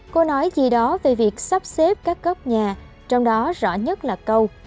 cô nói gì đó về việc sắp xếp các cốc nhà trong đó rõ nhất là câu